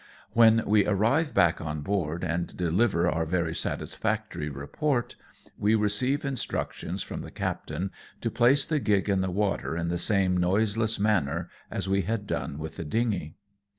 When we arrive back on board and deliver our very satisfactory report, we receive instructions from the captain to place the gig in the water in the same noiseless manner as we had done with the dingey.